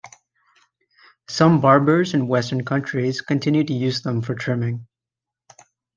Some barbers in Western countries continue to use them for trimming.